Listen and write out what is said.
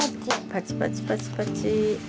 パチパチパチパチ。